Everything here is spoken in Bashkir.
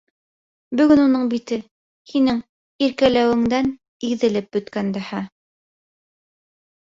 — Бөгөн уның бите һинең «иркәләүеңдән»... иҙелеп бөткән дәһә.